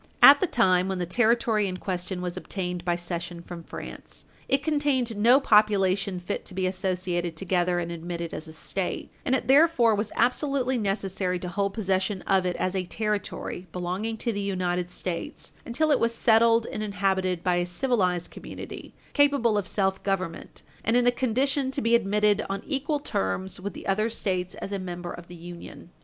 At the time when the Territory in question was obtained by cession from France, it contained no population fit to be associated together and admitted as a State, and it therefore was absolutely necessary to hold possession of it, as a Territory belonging to the United States, until it was settled and inhabited by a civilized community capable of self government, and in a condition to be admitted on equal terms with the other States as a member of the Union.